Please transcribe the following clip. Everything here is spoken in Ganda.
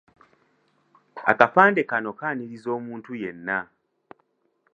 Akapande kano kaaniriza omuntu yenna.